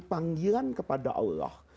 panggilan kepada allah